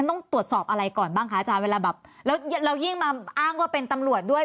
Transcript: ต้องตรวจสอบอะไรก่อนบ้างคะอาจารย์เวลาแบบแล้วยิ่งมาอ้างว่าเป็นตำรวจด้วย